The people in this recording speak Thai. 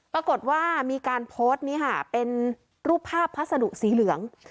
ปรากฏว่ามีการโพสต์นี้ค่ะเป็นรูปภาพพัสดุสีเหลือง